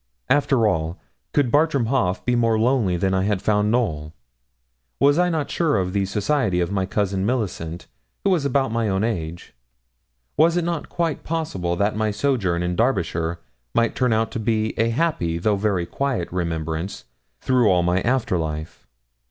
After all, could Bartram Haugh be more lonely than I had found Knowl? Was I not sure of the society of my Cousin Millicent, who was about my own age? Was it not quite possible that my sojourn in Derbyshire might turn out a happy though very quiet remembrance through all my after life?